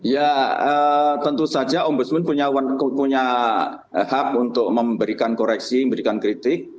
ya tentu saja ombudsman punya hak untuk memberikan koreksi memberikan kritik